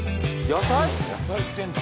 野菜売ってんだ。